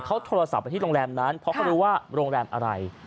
เขาโทรศัพท์ไปที่โรงแรมนั้นเพราะเขารู้ว่าโรงแรมอะไร